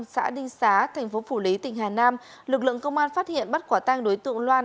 xá tp phủ lý tỉnh hà nam lực lượng công an phát hiện bắt quả tang đối tượng loan